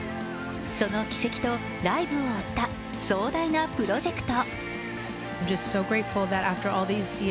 その軌跡とライブを追った壮大なプロジェクト。